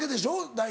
大体。